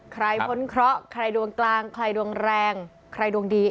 พ้นเคราะห์ใครดวงกลางใครดวงแรงใครดวงดี